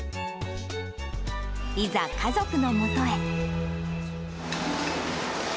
いざ、家族のもとへ。